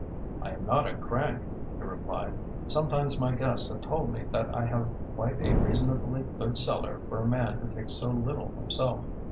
"I am not a crank," he replied. "Sometimes my guests have told me that I have quite a reasonably good cellar for a man who takes so little himself.